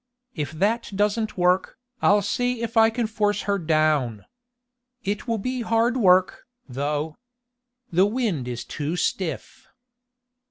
"If that doesn't work, I'll see if I can force her down. It will be hard work, though. The wind is too stiff."